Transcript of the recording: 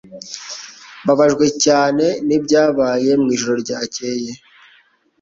Mbabajwe cyane nibyabaye mu ijoro ryakeye.